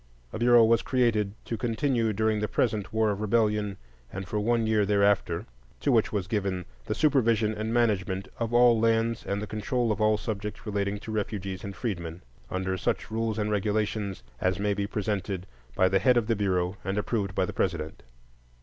A Bureau was created, "to continue during the present War of Rebellion, and for one year thereafter," to which was given "the supervision and management of all abandoned lands and the control of all subjects relating to refugees and freedmen," under "such rules and regulations as may be presented by the head of the Bureau and approved by the President."